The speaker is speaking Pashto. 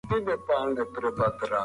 یو ماشوم باغداري خوښوي.